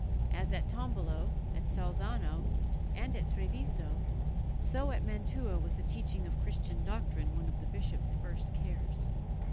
As at Tombolo, at Salzano, and at Treviso, so at Mantua was the teaching of Christian doctrine one of the bishop's first cares.